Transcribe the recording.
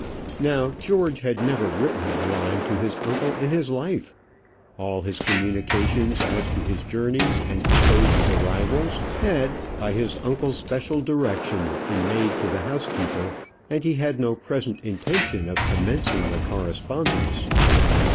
Now George had never written a line to his uncle in his life; all his communications as to his journeys and proposed arrivals had, by his uncle's special direction, been made to the housekeeper, and he had no present intention of commencing a correspondence.